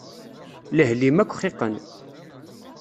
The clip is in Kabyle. Lehl-im akk xiqen.